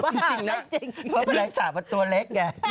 แต่เอาจริงนะเพราะแมลงสาปเป็นตัวเล็กเนี่ย